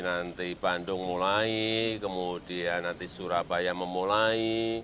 nanti bandung mulai kemudian nanti surabaya memulai